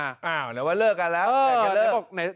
อ้าวนึกว่าเลิกกันแล้วแล้วก็เลิก